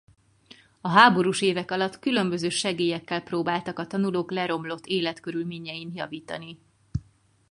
A háborús évek alatt különböző segélyekkel próbáltak a tanulók leromlott életkörülményein javítani.